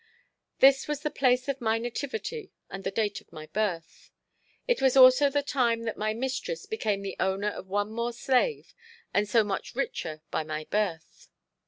This was the place of my nativity and the date of my birth. It was also the time that my mistress became the owner of one more slave and so much richer by my birth.